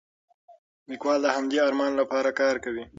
لیکوال د همدې ارمان لپاره کار کوي.